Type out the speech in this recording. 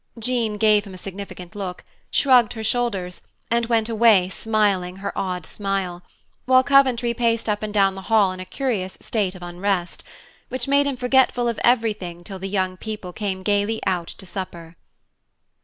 Jean gave him a significant look, shrugged her shoulders, and went away smiling her odd smile, while Coventry paced up and down the hall in a curious state of unrest, which made him forgetful of everything till the young people came gaily out to supper.